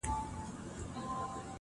په رګو کي د وجود مي لکه وینه,